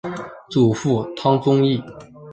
祖父汤宗义。